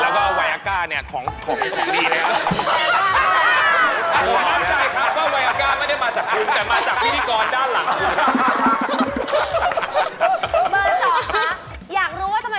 นี่คุณเชื้อรี่หรอครับ